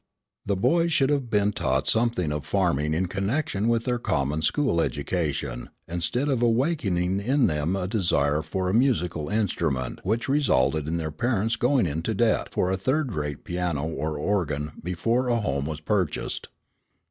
The boys should have been taught something of farming in connection with their common school education, instead of awakening in them a desire for a musical instrument which resulted in their parents going into debt for a third rate piano or organ before a home was purchased.